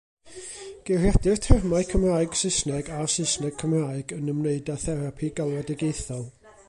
Geiriadur termau Cymraeg-Saesneg a Saesneg-Cymraeg yn ymwneud â therapi galwedigaethol.